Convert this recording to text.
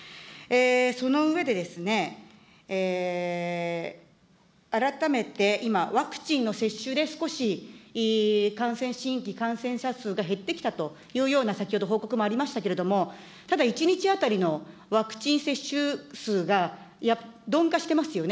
その上でですね、改めて今、ワクチンの接種で、少し感染、新規感染者数が減ってきたというような先ほど報告もありましたけれども、ただ１日当たりのワクチン接種数が鈍化してますよね。